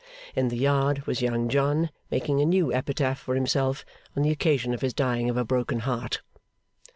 In the yard, was Young John making a new epitaph for himself, on the occasion of his dying of a broken heart.